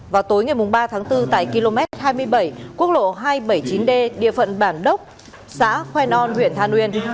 vào tối ngày ba tháng bốn tại km hai mươi bảy quốc lộ hai trăm bảy mươi chín d địa phận bản đốc xã khoe non huyện than uyên